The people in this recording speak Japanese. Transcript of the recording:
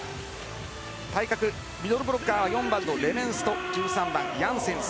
対角ミドルブロッカーは４番、レメンスと１３番、ヤンセンス。